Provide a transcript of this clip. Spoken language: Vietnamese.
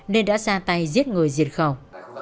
nên đã ra tay giết người diệt khẩu